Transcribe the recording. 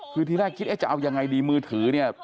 คือที่แรกจะเอาอย่างไรดีมือถือเนี่ย